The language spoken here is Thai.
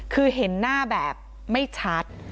คือเห็นหน้าแบบไม่ชัด